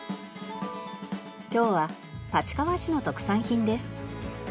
今日は立川市の特産品です。